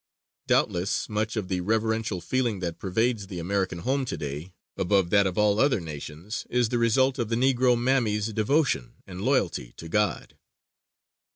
Doubtless much of the reverential feeling that pervades the American home to day, above that of all other nations, is the result of the Negro mammy's devotion and loyalty to God.